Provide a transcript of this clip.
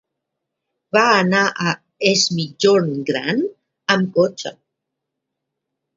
Va anar a Es Migjorn Gran amb cotxe.